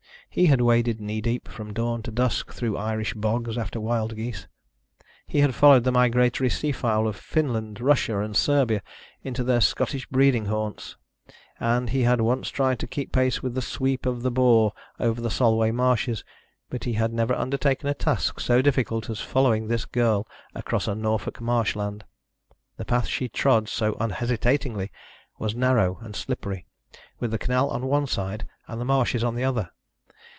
He had waded knee deep from dawn to dusk through Irish bogs after wild geese; he had followed the migratory seafowl of Finland, Russia and Serbia into their Scottish breeding haunts, and he had once tried to keep pace with the sweep of the Bore over the Solway Marshes, but he had never undertaken a task so difficult as following this girl across a Norfolk marshland. The path she trod so unhesitatingly was narrow, and slippery, with the canal on one side and the marshes on the other.